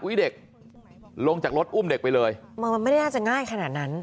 เด็กลงจากรถอุ้มเด็กไปเลยมันไม่ได้น่าจะง่ายขนาดนั้น